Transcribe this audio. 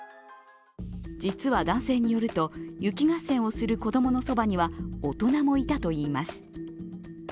実は男性によると、雪合戦をする子供のそばには大人もいたといいます。